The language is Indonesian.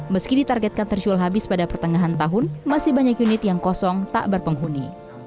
meski ditargetkan tersul habis pada pertengahan tahun masih banyak unit yang kosong tak berpenghuni